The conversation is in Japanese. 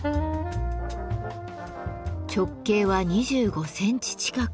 直径は２５センチ近く。